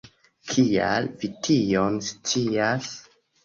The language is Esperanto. Kial vi tion scias?